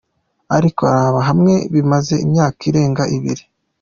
Ariko raba namwe bimaze imyaka irenge ibiri.